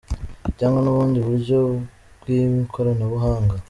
cyangwa n’ubundi buryo bw’ikoranabuhanga.